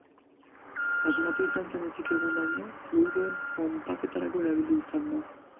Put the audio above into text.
Asmatu izan zenetik egundaino, fluidoen ponpaketarako erabili izan da.